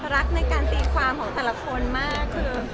รักในการตีความของแต่ละคนมากคือ